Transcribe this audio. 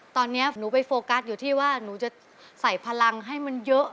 ตอนนี้หนูไปโฟกัสอยู่ที่ว่าหนูจะใส่พลังให้มันเยอะ